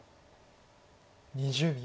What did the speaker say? ２０秒。